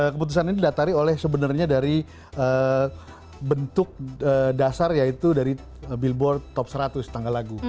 keputusan ini datari oleh sebenarnya dari bentuk dasar yaitu dari billboard top seratus tanggal lagu